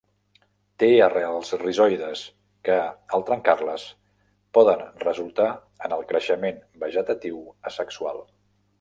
Té arrels rizoides, que, al trencar-les, poden resultar en el creixement vegetatiu asexual.